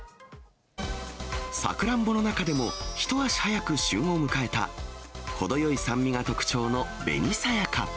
さくらんぼの中でも、一足早く旬を迎えた程よい酸味が特徴の紅さやか。